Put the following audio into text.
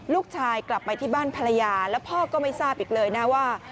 กลับไปที่บ้านภรรยาแล้วพ่อก็ไม่ทราบอีกเลยนะว่า